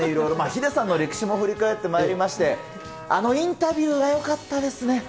ヒデさんの歴史も振り返ってまいりまして、あのインタビューがよかったですね。